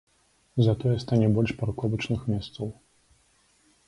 Затое стане больш парковачных месцаў.